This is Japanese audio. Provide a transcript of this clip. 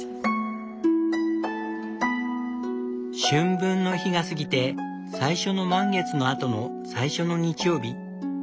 春分の日が過ぎて最初の満月の後の最初の日曜日。